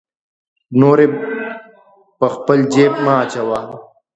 نورې په خپل جیب مه اچوه.